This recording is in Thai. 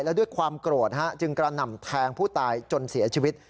และด้วยความโกรธจึงกระหน่ำแทงผู้ตายจนเสียชีวิต